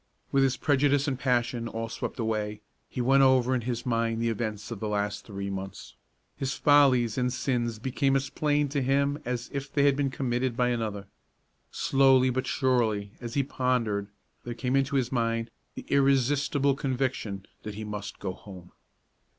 With his prejudice and passion all swept away, he went over in his mind the events of the last three months. His follies and sins became as plain to him as if they had been committed by another. Slowly but surely, as he pondered, there came into his mind the irresistible conviction that he must go home.